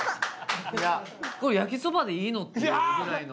焼きそばでいいの？っていうぐらいの。